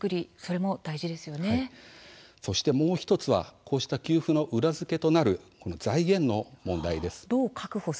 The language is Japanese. そしてもう１つは給付の裏付けとなる財源の問題です。